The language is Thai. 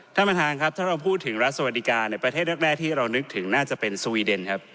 ท่านประธานครับถ้าเราพูดถึงรัฐสวัสดิการในประเทศแรกที่เรานึกถึงน่าจะเป็นสวีเดนครับ